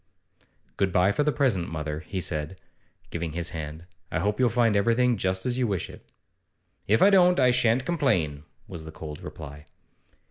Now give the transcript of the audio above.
'Good bye for the present, mother,' he said, giving his hand 'I hope you'll find everything just as you wish it.' 'If I don't, I shan't complain,' was the cold reply.